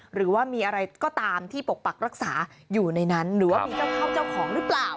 หรือว่ามีอะไรก็ตามที่ปกปักรักษาอยู่ในนั้นหรือว่ามีเจ้าข้าวเจ้าของหรือเปล่า